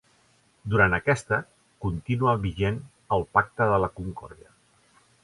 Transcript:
Durant aquesta, continua vigent el Pacte de la Concòrdia.